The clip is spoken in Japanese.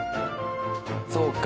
そうか。